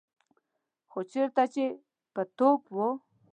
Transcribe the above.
خو چېرته چې به توپ و.